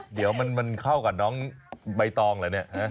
เดี๋ยวมันเข้ากับน้องใบตองเหรอเนี่ย